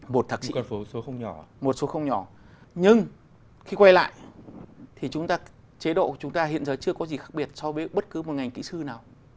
một thạc sĩ một số không nhỏ nhưng khi quay lại thì chế độ của chúng ta hiện giờ chưa có gì khác biệt so với bất cứ một ngành kỹ sư nào